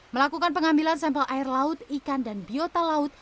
melakukan pengambilan sampel air laut ikan dan biota laut